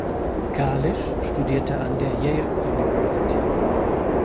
Kalisch studierte an der Yale University.